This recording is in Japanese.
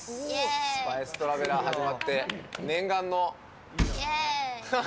「スパイストラベラー」始まってイエーイ！